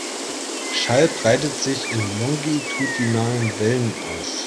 Schall breitet sich in longitudinalen Wellen aus.